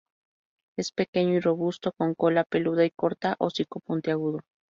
Es pequeño y robusto, con cola peluda y corta, y hocico puntiagudo.